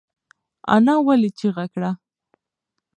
انا ولې چیغه کړه؟